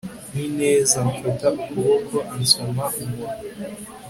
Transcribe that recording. nineza, mfata ukuboko ansoma umunwa